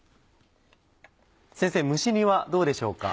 先生蒸し煮はどうでしょうか？